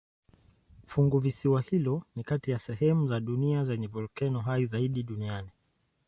Funguvisiwa hilo ni kati ya sehemu za dunia zenye volkeno hai zaidi duniani.